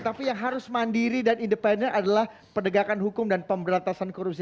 tapi yang harus mandiri dan independen adalah pendegakan hukum dan pemberantasan korupsi